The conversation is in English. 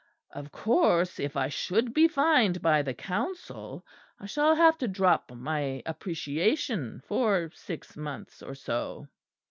Of course, if I should be fined by the Council, I shall have to drop my appreciation for six months or so.'